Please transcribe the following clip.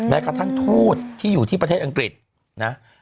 แม้กระทั่งทูตที่อยู่ที่ประเทศอังกฤษนะ